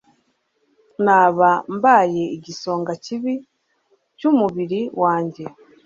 naba mbaye igisonga kibi cyumubiri wanjye